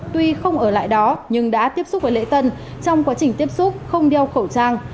tuy không ở lại đó nhưng đã tiếp xúc với lễ tân trong quá trình tiếp xúc không đeo khẩu trang